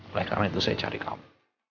oleh karena itu saya cari kamu